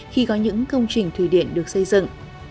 khi có những công trình thủy điện được xây dựng